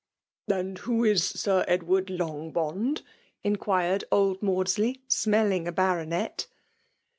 " And who is Sir Edward Longbond?" in quired old Maudsley, smelUng a baronet.